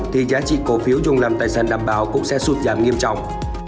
thì giá trị cổ phiếu dùng làm tài sản đảm bảo cũng sẽ sụt giảm nghiêm trọng